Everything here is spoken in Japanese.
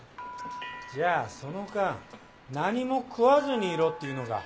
じゃあその間何も食わずにいろっていうのか？